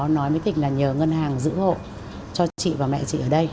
nói với thịnh là nhờ ngân hàng giữ hộ cho chị và mẹ chị ở đây